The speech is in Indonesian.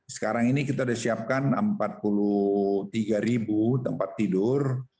sekarang ini kita sudah siapkan empat puluh tiga tempat tidur